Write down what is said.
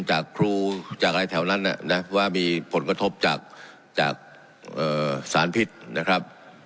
จากครูจากอะไรแถวนั้นนะว่ามีผลกระทบจากสารพิษนะครับ